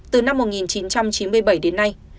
từ năm một nghìn chín trăm chín mươi bảy đến nay